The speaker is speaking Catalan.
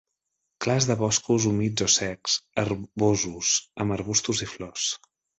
Clars de boscos humits o secs, herbosos, amb arbustos i flors.